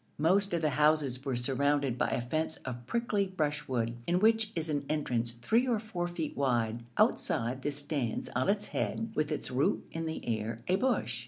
Most of the houses are surrounded by a fence of prickly brushwood, in which is an entrance 3 or 4 feet wide. Outside this stands, on its head, with its root in the air, a bush.